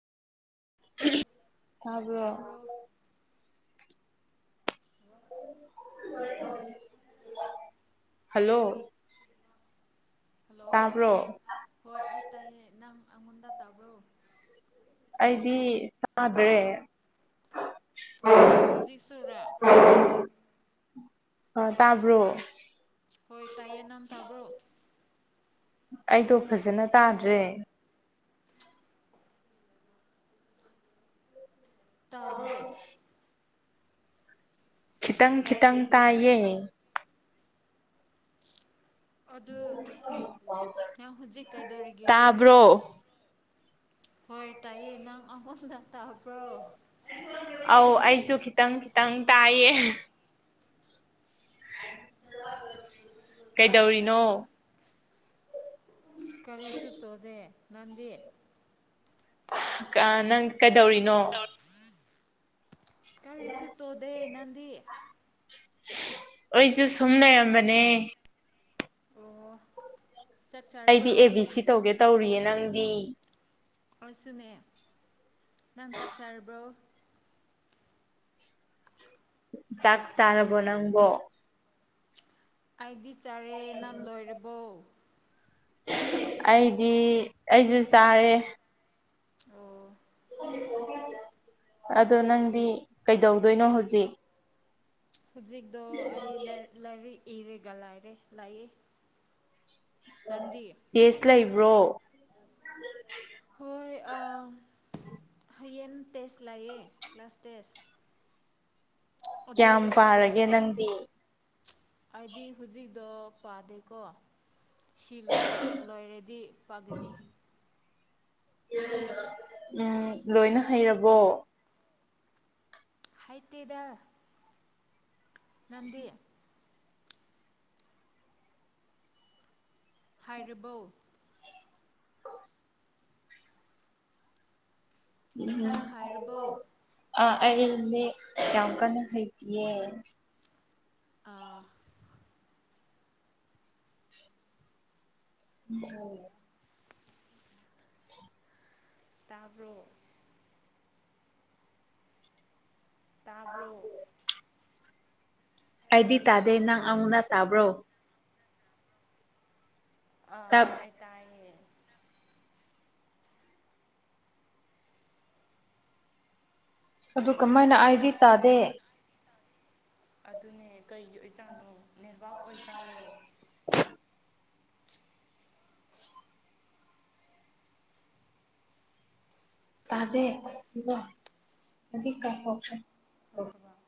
ꯇꯕ꯭ꯔꯣ ꯇꯥꯕ꯭ꯔꯣ hello hello ꯍꯣꯏ ꯑꯩ ꯇꯥꯏꯌꯦ ꯅꯪ ꯑꯩꯉꯣꯟꯗ ꯇꯥꯕ꯭ꯔꯣ ꯑꯩꯗꯤ ꯇꯥꯗ꯭ꯔꯦ ꯍꯨꯖꯤꯛꯁꯨꯔ ꯑ ꯇꯥꯕ꯭ꯔꯣ ꯍꯣꯏ ꯇꯥꯏꯌꯦ ꯅꯪ ꯇꯥꯕ꯭ꯔꯣ ꯑꯩꯗꯣ ꯐꯖꯅ ꯇꯥꯗ꯭ꯔꯦ ꯇꯥꯕ꯭ꯔꯣ ꯈꯤꯇꯪ ꯈꯤꯇꯪ ꯇꯥꯏꯌꯦ ꯑꯗꯨ ꯅꯪ ꯍꯧꯖꯤꯛ ꯀꯩꯗꯧꯔꯤꯒꯦ ꯇꯥꯕ꯭ꯔꯣ ꯍꯣꯏ ꯇꯥꯏꯌꯦ ꯅꯪ ꯑꯉꯣꯟꯗ ꯇꯥꯕ꯭ꯔꯣ ꯑꯧ ꯑꯩꯁꯨ ꯈꯤꯇꯪ ꯈꯤꯇꯪ ꯇꯥꯏꯌꯦ ꯀꯩꯗꯧꯔꯤꯅꯣ ꯀꯔꯤꯁꯨ ꯇꯣꯗꯦ ꯅꯪꯗꯤ ꯑꯩ ꯅꯪ ꯀꯩꯗꯧꯔꯤꯅꯣ ꯀꯔꯤꯁꯨ ꯇꯣꯗꯦ ꯅꯪꯗꯤ ꯑꯩꯁꯨ ꯁꯨꯝꯂꯩ ꯔꯝꯕꯅꯦ ꯑꯣ ꯆꯥꯛ ꯑꯩꯗꯤ ꯆꯥꯔꯕ꯭ꯔꯣ ꯑꯦ ꯕꯤ ꯁꯤ ꯇꯧꯒꯦ ꯇꯧꯔꯤꯌꯦ ꯅꯪꯗꯤ ꯑꯩꯏꯁꯨꯅꯦ ꯅꯍꯪ ꯆꯥꯛ ꯆꯥꯔꯕ꯭ꯔꯣ ꯆꯥꯛ ꯆꯥꯔꯕꯣ ꯅꯪꯕꯣ ꯑꯩꯗꯤ ꯆꯥꯔꯦ ꯅꯪ ꯂꯣꯏꯔꯕꯣ ꯑꯩꯗꯤ ꯑꯩꯁꯨ ꯆꯥꯔꯦ ꯑꯣ ꯑꯗꯣ ꯅꯪꯗꯤ ꯀꯩꯗꯧꯗꯣꯏꯅꯣ ꯍꯧꯖꯤꯛ ꯍꯧꯖꯤꯛꯇꯣ ꯑꯩ ꯂꯥꯏꯔꯤꯛ ꯏꯔꯒ ꯂꯥꯏꯔꯦ ꯂꯥꯏꯌ‌ꯦ ꯇ‌ꯦꯁ ꯂ‌ꯩꯕ꯭ꯔꯣ ꯍꯣꯏ ꯍꯌꯦꯡ ꯇꯦꯁ ꯂꯥꯛꯌꯦꯦ ꯀ꯭ꯂꯥꯁ ꯇꯦꯁ ꯑꯗꯨ ꯀꯌꯥꯝ ꯑꯗꯨꯒ ꯄꯥꯔꯒꯦ ꯅꯪꯗꯤ ꯑꯩꯗꯤ ꯍꯧꯖꯤꯛꯗꯣ ꯄꯥꯗꯦꯀꯣ ꯁꯤꯣꯏ ꯂꯣꯏꯔꯗꯤ ꯄꯥꯒꯅꯤ ꯎꯝ ꯂꯣꯏꯅ ꯍꯩꯔꯕꯣ ꯍꯥꯏꯇꯗ ꯅꯗꯤ ꯍꯥꯏꯔꯤꯕꯧ ꯑ ꯎꯝ ꯅꯪ ꯍꯥꯏꯔꯕꯣ ꯑ ꯑꯩꯗꯤ ꯌꯥꯝ ꯀꯟꯅ ꯍꯩꯇꯌꯦ ꯑꯥ ꯌꯥ [inaudible] ꯇꯥꯕ꯭ꯔꯣ ꯇꯥꯕ꯭ꯔꯣ ꯑꯩꯗꯤ ꯇꯥꯗꯦ ꯅꯪ ꯑꯃꯨꯅ ꯇꯥꯕ꯭ꯔꯣ ꯑ ꯇꯞ ꯑ ꯇꯑꯌꯦ ꯑꯗꯨ ꯀꯃꯥꯏꯅ ꯑꯩꯗꯤ ꯇꯥꯗꯦ ꯑꯗꯨꯅꯦ ꯀꯩꯒꯤ ꯑꯣꯏꯖꯥꯠꯅꯣ ꯅꯦꯠꯋꯥꯛ ꯑꯣꯏꯖꯥꯜꯂꯣ ꯇꯥꯗꯦ ꯏꯕ ꯑ ꯀꯔ ꯄꯣꯛꯁꯦ ꯇꯈꯕ